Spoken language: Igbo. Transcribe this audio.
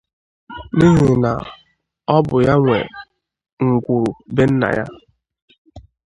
n'ihi na ọ bụ ya nwe ngwuru be nna ya